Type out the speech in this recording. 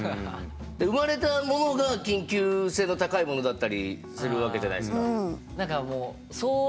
生まれたものが緊急性の高いものだったりするわけじゃないですか。